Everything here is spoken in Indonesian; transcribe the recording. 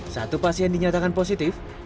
satu pasien dinyatakan positif